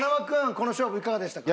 この勝負いかがでしたか？